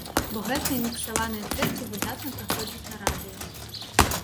Бо гэтыя міксаваныя трэкі выдатна праходзяць на радыё.